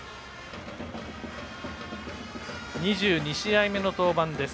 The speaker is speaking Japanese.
２２試合目の登板です。